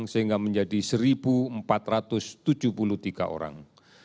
sehingga menjadi satu empat ratus tujuh puluh tiga orang